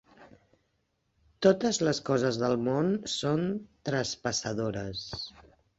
Totes les coses del món són traspassadores.